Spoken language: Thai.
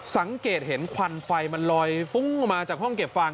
สังเกตเห็นควันไฟมันลอยฟุ้งออกมาจากห้องเก็บฟาง